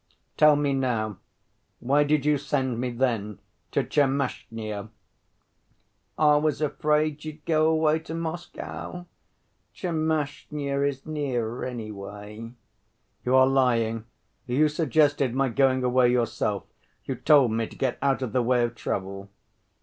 "Tell me now, why did you send me then to Tchermashnya?" "I was afraid you'd go away to Moscow; Tchermashnya is nearer, anyway." "You are lying; you suggested my going away yourself; you told me to get out of the way of trouble."